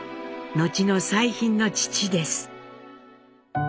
後の彩浜の父です。